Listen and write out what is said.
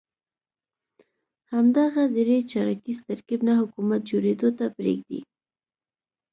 همدغه درې چارکیز ترکیب نه حکومت جوړېدو ته پرېږدي.